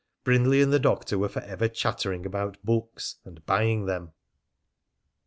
Brindley and the doctor were forever chattering about books, and buying them.